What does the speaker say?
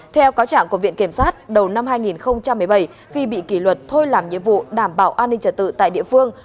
theo cáo trạng của viện kiểm sát đầu năm hai nghìn một mươi bảy khi bị kỷ luật thôi làm nhiệm vụ đảm bảo an ninh trả tự tại địa phương